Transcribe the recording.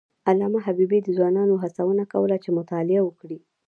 علامه حبیبي د ځوانانو هڅونه کوله چې مطالعه وکړي.